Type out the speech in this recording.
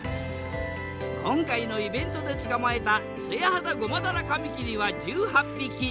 今回のイベントで捕まえたツヤハダゴマダラカミキリは１８匹。